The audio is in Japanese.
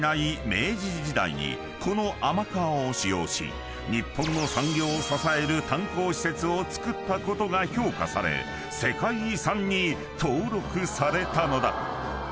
［この天川を使用し日本の産業を支える炭鉱施設を造ったことが評価され世界遺産に登録されたのだ］